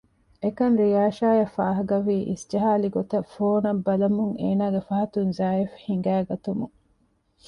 އެކަން ރިޔާޝާ އަށް ފާހަގަ ވީ އިސްޖަހާލި ގޮތަށް ފޯނަށް ބަލަމުން އޭނާގެ ފަހަތުން ޒާއިފް ހިނގައިގަތުމުން